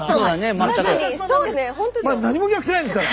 まだ何も逆転してないんですから。